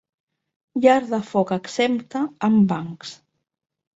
Llar de foc exempta, amb bancs.